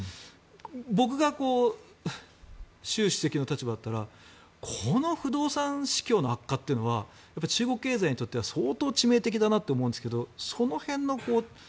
僕が習主席の立場ならこの不動産市況の悪化というのは中国経済にとっては相当致命的だと思うんですけどその辺のことは。